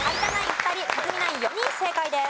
２人克実ナイン４人正解です。